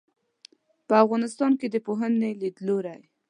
په افغانستان کې د پوهنې لیدلورى